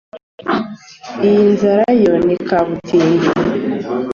Iyi nzara yo ni kabutindi